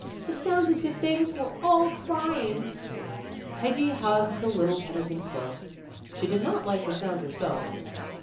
"It sounds as if things were all crying." Peggy hugged the little penitent close. She did not like the sound herself.